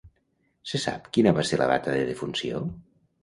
Se sap quina va ser la data de defunció?